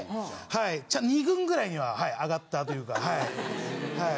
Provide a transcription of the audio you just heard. ぐらいには上がったというかはい。